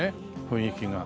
雰囲気が。